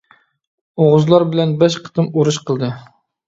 ئوغۇزلار بىلەن بەش قېتىم ئۇرۇش قىلدى.